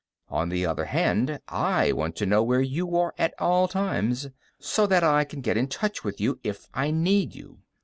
"On the other hand, I want to know where you are at all times, so that I can get in touch with you if I need you.